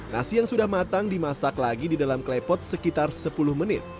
nasi yang sudah matang dimasak lagi di dalam klepot sekitar sepuluh menit